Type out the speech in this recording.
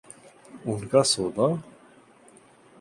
ان کا سودا؟